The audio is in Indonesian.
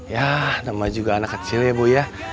ya nama juga anak kecil ya bu ya